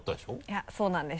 いやそうなんです。